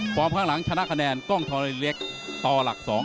ข้างหลังชนะคะแนนกล้องทรเล็กต่อหลัก๒